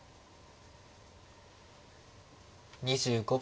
２５秒。